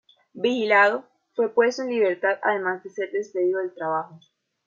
Vigilado, fue puesto en libertad además de ser despedido del trabajo.